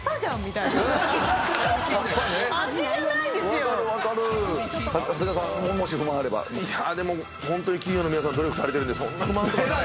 いやぁでもホントに企業の皆さん努力されてるんでそんな不満とか。